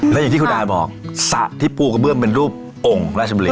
และอย่างที่คุณอาบอกสระที่ปูกระเบื้องเป็นรูปองค์ราชบุรี